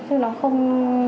chứ nó không